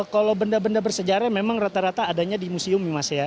kalau benda benda bersejarah memang rata rata adanya di museum nih mas ya